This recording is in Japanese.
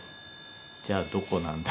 じゃあどこなんだ？